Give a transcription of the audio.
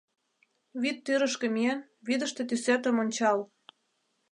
Вӱд тӱрышкӧ миен, вӱдыштӧ тӱсетым ончал!